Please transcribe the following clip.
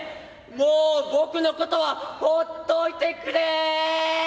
もう僕のことは放っといてくれ！」。